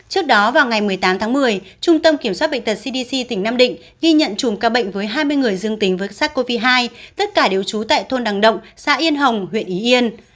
trước đó vào ngày một mươi tám tháng một mươi trung tâm kiểm soát bệnh tật cdc tỉnh nam định ghi nhận chùm ca bệnh với hai mươi người dương tính với sars cov hai tất cả đều trú tại thôn đằng động xã yên hồng huyện ý yên